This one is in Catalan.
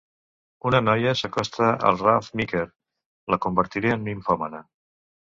Una noia s'acosta a Ralph Meeker, la convertiré en nimfòmana.